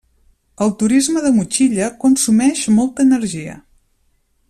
El turisme de motxilla consumeix molta energia.